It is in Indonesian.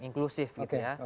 inklusif gitu ya